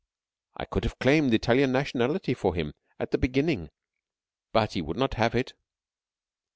I could have claimed Italian nationality for him at the beginning, but he would not have it."